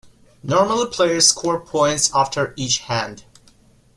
Normally players score points after each hand.